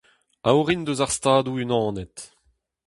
A orin eus ar Stadoù-Unanet.